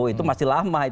itu masih lama